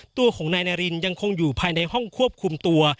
ตัวของนายนารินยังคงอยู่ภายในห้องควบคุมตัว